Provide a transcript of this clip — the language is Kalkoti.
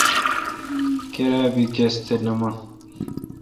کیراب بی کس تھ نہ من۔